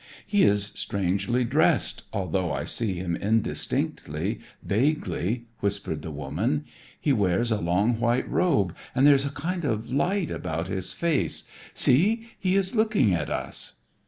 "He is strangely dressed, although I see him indistinctly, vaguely," whispered the woman. "He wears a long white robe and there is a kind of light about his face. See, he is looking at us."